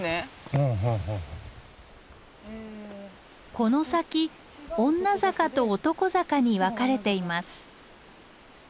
この先女坂と男坂に分かれています。